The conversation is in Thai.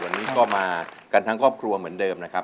วันนี้ก็มากันทั้งครอบครัวเหมือนเดิมนะครับ